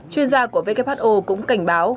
chuyên gia của who cũng cảnh báo